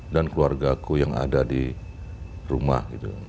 dan keluarga aku yang ada di rumah